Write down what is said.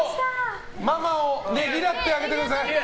ママをねぎらってあげてください。